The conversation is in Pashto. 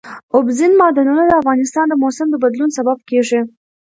اوبزین معدنونه د افغانستان د موسم د بدلون سبب کېږي.